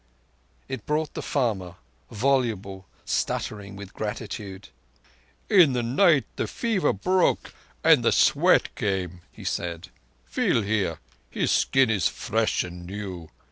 It brought the farmer, voluble, stuttering with gratitude. "In the night the fever broke and the sweat came," he cried. "Feel here—his skin is fresh and new!